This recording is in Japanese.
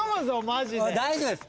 マジで。